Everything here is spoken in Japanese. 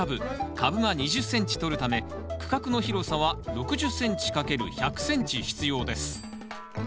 株間２０ｃｍとるため区画の広さは６０ｃｍ×１００ｃｍ必要です。